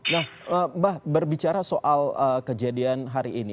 nah mbak berbicara soal kejadian hari ini